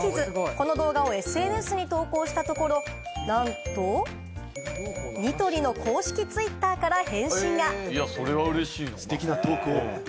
この動画をＳＮＳに投稿したところ、なんとニトリの公式Ｔｗｉｔｔｅｒから返信が。